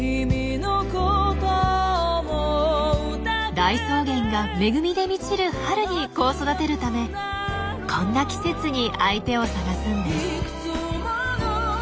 大草原が恵みで満ちる春に子を育てるためこんな季節に相手を探すんです。